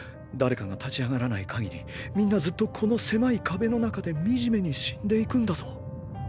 誰かが立ち上がらないかぎりみんなずっとこの狭い壁の中で惨めに死んでいくんだぞ？